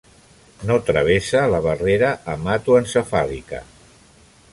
No travessa la barrera hematoencefàlica.